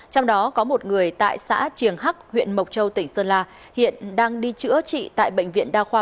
trong đó có một người tại xã triềng hắc huyện mộc châu tỉnh sơn la hiện đang đi chữa trị tại bệnh viện đa khoa